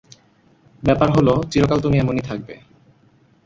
ব্যাপার হলো, চিরকাল তুমি এমনই থাকবে।